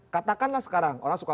katakanlah sekarang orang suka